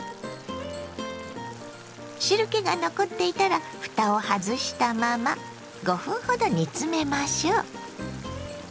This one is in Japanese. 汁けが残っていたらふたを外したまま５分ほど煮詰めましょ。